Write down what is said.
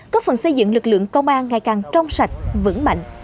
có phần xây dựng lực lượng công an ngày càng trong sạch vững mạnh